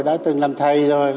đã từng làm thầy rồi